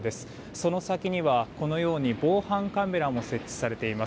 その先には防犯カメラも設置されています。